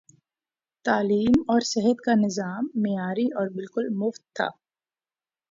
تعلیم اور صحت کا نظام معیاری اور بالکل مفت تھا۔